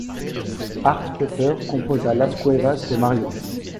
Art Pepper compose Las Cuevas De Mario.